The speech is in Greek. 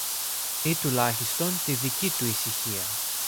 ή τουλάχιστον τη δική του ησυχία.